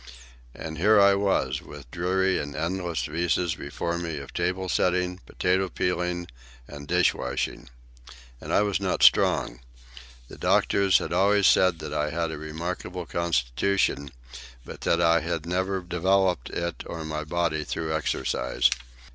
And here I was, with dreary and endless vistas before me of table setting, potato peeling, and dish washing. And I was not strong. The doctors had always said that I had a remarkable constitution, but I had never developed it or my body through exercise.